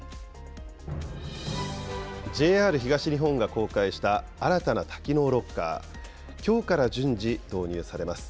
ＪＲ東日本が公開した新たな多機能ロッカー、きょうから順次、導入されます。